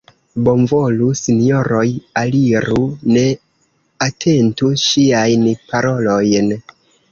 Bonvolu, sinjoroj, aliru, ne atentu ŝiajn parolojn!